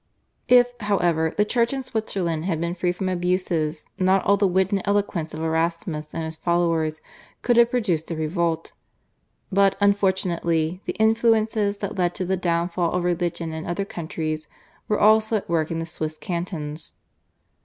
If, however, the Church in Switzerland had been free from abuses not all the wit and eloquence of Erasmus and his followers could have produced a revolt, but unfortunately, the influences that led to the downfall of religion in other countries were also at work in the Swiss cantons.